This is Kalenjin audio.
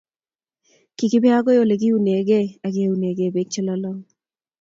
Kikibe agoi Ole kiunekei age unekei Bek che lolongen